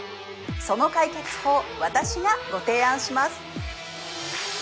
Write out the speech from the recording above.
その解決法私がご提案します